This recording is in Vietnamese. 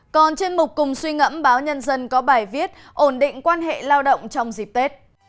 còn trên mục cùng suy ngẫm báo nhân dân có bài viết ổn định quan hệ lao động trong dịp tết